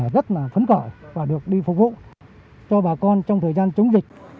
và giãn cách xã hội